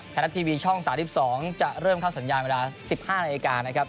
ไทยรัฐทีวีช่อง๓๒จะเริ่มเข้าสัญญาณเวลา๑๕นาฬิกานะครับ